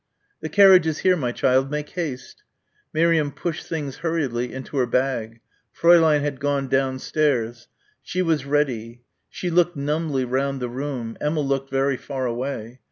"The carriage is here, my child. Make haste." Miriam pushed things hurriedly into her bag. Fräulein had gone downstairs. She was ready. She looked numbly round the room. Emma looked very far away.